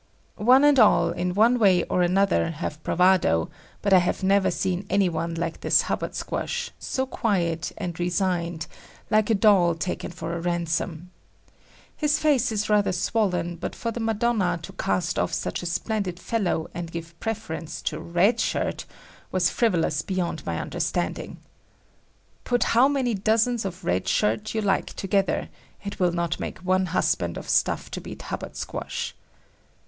One and all in one way or other have bravado, but I have never seen any one like this Hubbard Squash, so quiet and resigned, like a doll taken for a ransom. His face is rather swollen but for the Madonna to cast off such a splendid fellow and give preference to Red Shirt, was frivolous beyond my understanding. Put how many dozens of Red Shirt you like together, it will not make one husband of stuff to beat Hubbard Squash.